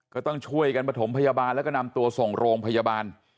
ก็ต้องช่วยกันประถมพยาบาลแล้วก็นำตัวส่งโรงพยาบาล